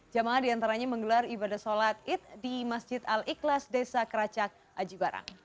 jamaah diantaranya menggelar ibadah sholat id di masjid al ikhlas desa keracak aji barang